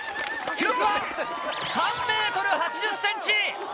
記録は３ｍ８０ｃｍ！